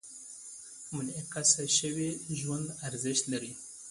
منعکس شوي ژوند ارزښت لري.